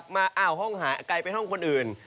มาห้องหาใกล้ไปห้องคนอื่น